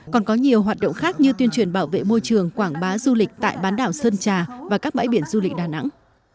còn có nhiều hoạt động khác như tuyên truyền bảo vệ môi trường quảng bá du lịch tại bán đảo sơn trà và các bãi biển du lịch đà nẵng